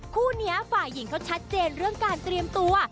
คู่นี้ฝ่ายหญิงเขาชัดเจนเรื่องการเตรียมตัว